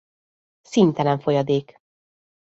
Színtelen folyadék.